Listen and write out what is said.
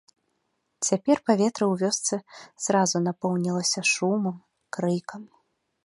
Цяпер паветра ў вёсцы зразу напоўнілася шумам, крыкам.